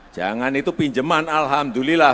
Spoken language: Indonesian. jangan itu pinjeman alhamdulillah